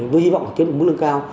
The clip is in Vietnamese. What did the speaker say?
với hy vọng kiếm được mức lương cao